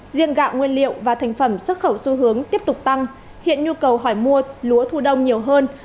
riêng gạo nguyên liệu và thành phẩm xuất khẩu xu hướng tiếp tục tăng hiện nhu cầu hỏi mua lúa thu đông nhiều hơn